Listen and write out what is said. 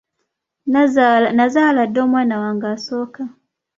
Nazaala dda omwana wange asooka.